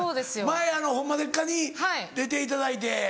前あの『ホンマでっか⁉』に出ていただいて。